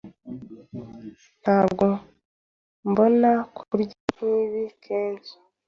Ntabwo mbona kurya nkibi kenshi.